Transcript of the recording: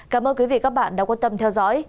cảm ơn quý vị và các bạn đã quan tâm theo dõi